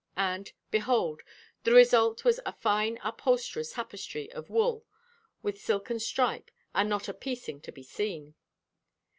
And behold, the result was a fine upholsterer's tapestry of wool, with a silken stripe, and not a piecing to be seen!